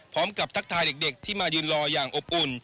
พร้อมกับทักทายเด็กที่มายืนรออย่างอบอุ่น